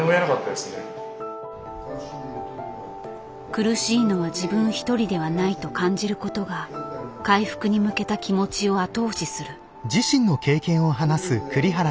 苦しいのは自分一人ではないと感じることが回復に向けた気持ちを後押しする。